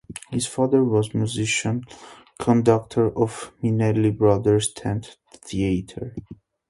His father was musical conductor of "Minnelli Brothers' Tent Theater".